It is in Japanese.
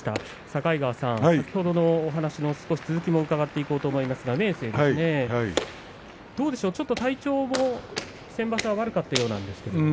境川さん、先ほどのお話の続きを伺っていこうと思いますが明生どうでしょう、体調も先場所は悪かったようなんですが。